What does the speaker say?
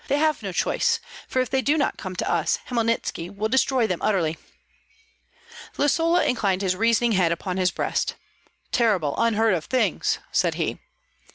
They have no choice, for if they do not come to us Hmelnitski will destroy them utterly." Lisola inclined his reasoning head upon his breast. "Terrible, unheard of things!" said he.